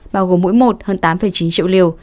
bao gồm mũi một hơn tám chín triệu liều